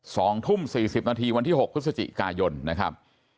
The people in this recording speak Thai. สองทุ่มสี่สิบนาทีวันที่หกพฤศจิกายนนะครับ